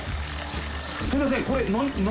すいませんこれ。